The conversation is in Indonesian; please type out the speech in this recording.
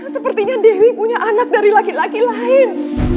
sepertinya dewi punya anak dari laki laki lain